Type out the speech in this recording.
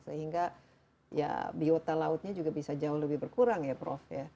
sehingga ya biota lautnya juga bisa jauh lebih berkurang ya prof ya